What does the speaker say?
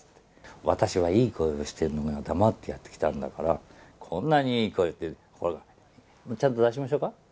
私はいい声をしてるのに、黙ってやってきたんだから、こんなにいい声、ちゃんと出しましょうか。